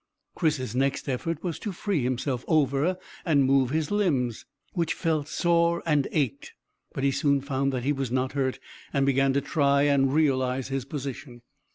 Chris's next effort was to feel himself over and move his limbs, which felt sore, and ached; but he soon found that he was not hurt, and began to try and realise his position.